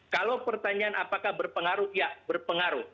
kalau pertanyaan apakah berpengaruh ya berpengaruh